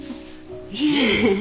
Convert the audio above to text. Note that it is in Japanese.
いえ。